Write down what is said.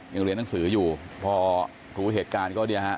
ยังเรียนหนังสืออยู่พอรู้เหตุการณ์ก็เนี่ยฮะ